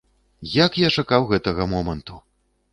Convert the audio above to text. Як я чакаў гэтага моманту!